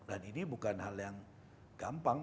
dan ini bukan hal yang gampang